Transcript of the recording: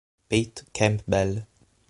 Pete Campbell